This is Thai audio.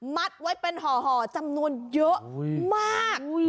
มัดไว้เป็นห่อจำนวนเยอะมาก